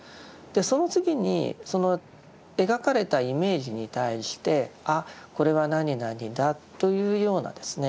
その次にその描かれたイメージに対して「あこれは何々だ」というようなですね